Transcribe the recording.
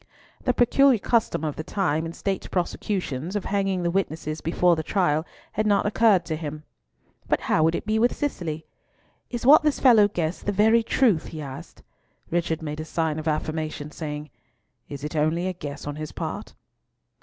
The peculiar custom of the time in State prosecutions of hanging the witnesses before the trial had not occurred to him. But how would it be with Cicely? "Is what this fellow guessed the very truth?" he asked. Richard made a sign of affirmation, saying, "Is it only a guess on his part?"